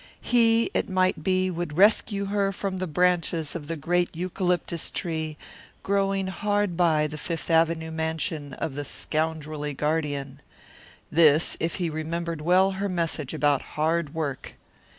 He, it might be, would rescue her from the branches of the great eucalyptus tree growing hard by the Fifth Avenue mansion of the scoundrelly guardian. This, if he remembered well her message about hard work.